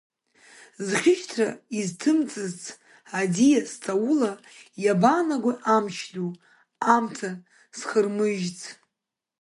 Зхьышьҭра изҭымҵыц аӡиас ҵаула иабаанагои амч ду, амца зхырмыжьц.